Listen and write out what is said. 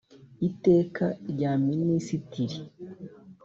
iteka rya minisitiri